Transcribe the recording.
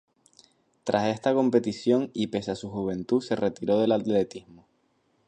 Tras esta competición, y pese a su juventud, se retiró del atletismo.